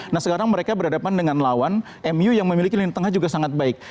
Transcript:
nah sekarang mereka berhadapan dengan lawan mu yang memiliki lini tengah juga sangat baik